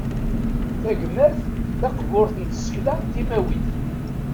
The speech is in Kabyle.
Tagmert taqburt n tsekla timawit.